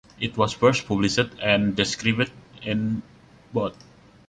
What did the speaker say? It was first published and described in Bot.